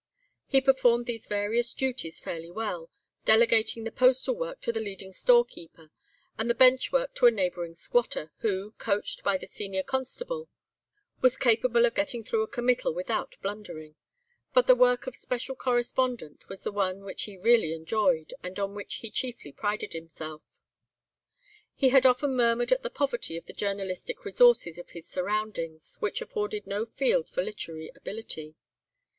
He performed these various duties fairly well, delegating the Postal work to the leading storekeeper, and the Bench work to a neighbouring squatter, who, coached by the senior constable, was capable of getting through a committal without blundering. But the work of Special Correspondent was the one which he really enjoyed, and on which he chiefly prided himself. He had often murmured at the poverty of the journalistic resources of his surroundings, which afforded no field for literary ability.